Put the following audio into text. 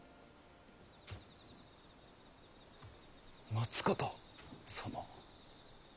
松方様。